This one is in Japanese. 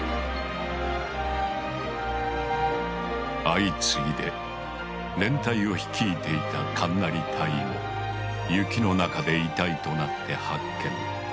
相次いで連隊を率いていた神成大尉も雪の中で遺体となって発見。